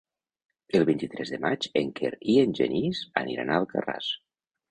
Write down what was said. El vint-i-tres de maig en Quer i en Genís aniran a Alcarràs.